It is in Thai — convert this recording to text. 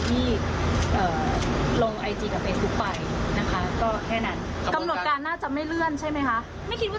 ที่เลือกลงสนามบินดอนเมืองนี่คือ